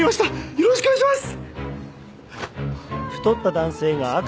よろしくお願いします。